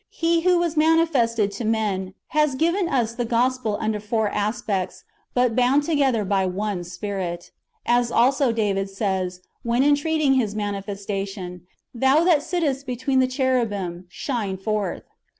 He who was manifested to men, has given us the gospel under four aspects, but bound together by one Spirit. As also David says, wdien entreating His manifestation, " Thou that sittest between the cherubim, shine forth."